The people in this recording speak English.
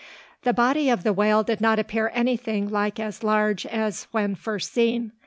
The body of the whale did not appear anything like as large as when first seen.